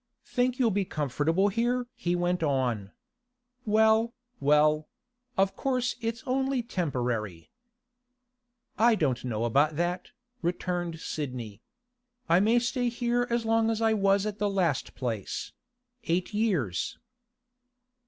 'Think you'll be comfortable here?' he went on. 'Well, well; of course it's only temporary.' 'I don't know about that,' returned Sidney. 'I may stay here as long as I was at the last place—eight years.